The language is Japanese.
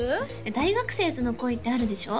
「大学生ズの恋。」ってあるでしょ？